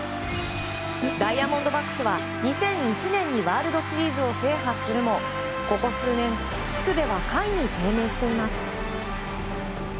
ダイヤモンドバックスは２００１年にワールドシリーズを制覇するもここ数年、地区では下位に低迷しています。